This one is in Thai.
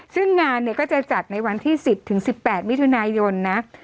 ซึ่งงานจะจัดในวันที่๑๐๑๘วิธานายนนะ